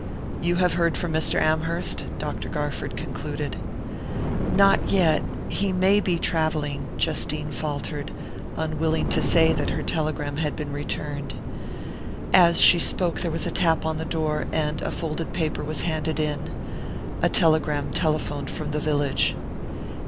"You have heard from Mr. Amherst?" Dr. Garford concluded. "Not yet...he may be travelling," Justine faltered, unwilling to say that her telegram had been returned. As she spoke there was a tap on the door, and a folded paper was handed in a telegram telephoned from the village.